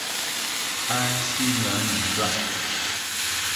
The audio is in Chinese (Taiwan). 安心穩穩賺